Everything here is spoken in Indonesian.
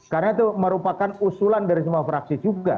karena itu merupakan usulan dari semua fraksi juga